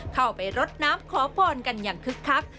เข้าไปรดน้ำขอพรกันอย่างคึกคัก